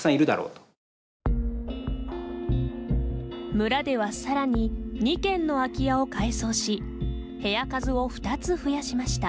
村では更に２軒の空き家を改装し部屋数を２つ増やしました。